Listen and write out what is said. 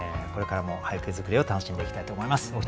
これからも俳句作りを楽しんでいきたいと思います。